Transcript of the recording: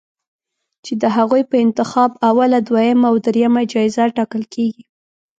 چې د هغوی په انتخاب اوله، دویمه او دریمه جایزه ټاکل کېږي